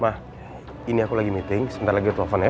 ma ini aku lagi meeting sebentar lagi telfon ya